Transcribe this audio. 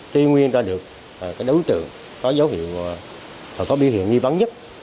truy nguyên ra được đối tượng có dấu hiệu và có biểu hiện nghi vắng nhất